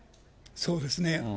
そうですね。